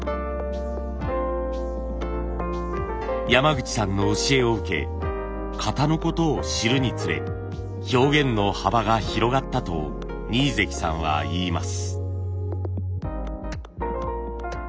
山口さんの教えを受け型のことを知るにつれ表現の幅が広がったと二位関さんは言います。